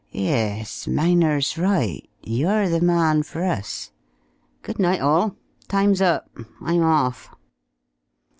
"Yes, Mainer's right. You're the man for us.... Good night, all. Time's up. I'm off."